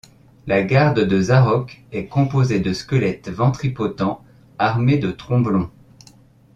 La garde de Zarok est composée de squelettes ventripotents armés de tromblons.